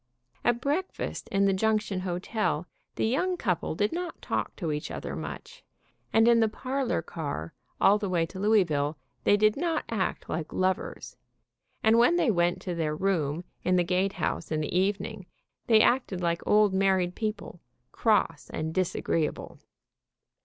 At breakfast in the junction hotel the young couple did not talk to each other much, and in the parlor car all the way to Louisville they did not act like lovers, and when they went to their room in the Gait House in the evening they acted like old married people, cross and dis agreeable.